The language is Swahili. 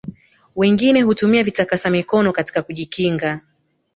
wengine hutumia vitakasa mikono katika kujikinga